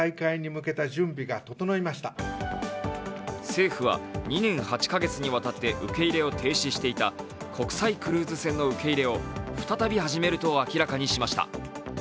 政府は２年８か月にわたって受け入れを停止していた国際クルーズ船の受け入れを再び始めると明らかにしました。